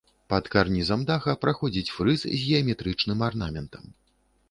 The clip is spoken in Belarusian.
Пад карнізам даха праходзіць фрыз з геаметрычным арнаментам.